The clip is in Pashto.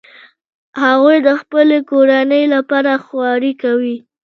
هغوی د خپلې کورنۍ لپاره خواري کوي